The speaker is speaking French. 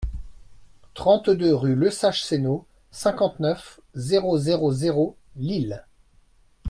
trente-deux rue Lesage Senault, cinquante-neuf, zéro zéro zéro, Lille